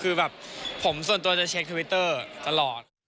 คือแบบผมส่วนตัวจะเช็คทวิตเตอร์ตลอด